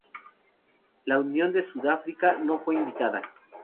La Unión de Sudáfrica no fue invitada.